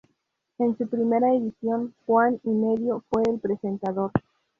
En su primera edición, Juan y Medio fue el presentador.